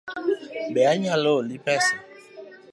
Be anyalo oli pesa?